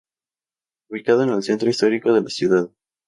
Ubicado en el centro histórico de la ciudad.